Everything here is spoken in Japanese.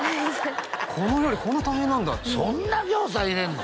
この料理こんな大変なんだってそんなぎょうさん入れんの？